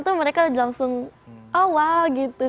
itu mereka langsung oh wow gitu